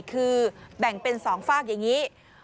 คือแบ่งเป็น๒ฝากอย่างนี้